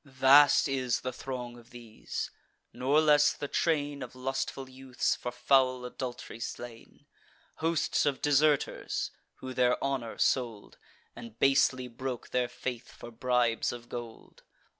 Vast is the throng of these; nor less the train Of lustful youths, for foul adult'ry slain: Hosts of deserters, who their honour sold, And basely broke their faith for bribes of gold.